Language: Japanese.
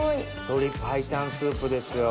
鶏白湯スープですよ